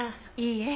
いいえ。